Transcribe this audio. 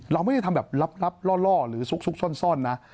เราไม่ได้ทำแบบลับล่อหรือซุกซ่อนนะ